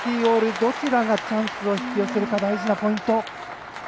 どちらがチャンスを引き寄せるか大事なポイント。